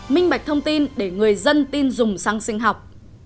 minh bạch thông tin để người dân tin dùng săng sinh học